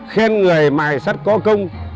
khen người mài sắt có công